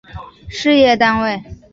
事业单位